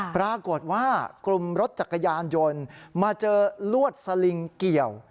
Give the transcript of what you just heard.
ปรากฏว่ากลุ่มรถจักรยานยนต์มาเจอลวดสลิงเกี่ยว